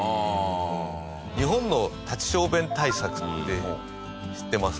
日本の立ち小便対策って知ってます？